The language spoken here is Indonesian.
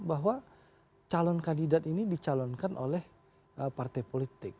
bahwa calon kandidat ini dicalonkan oleh partai politik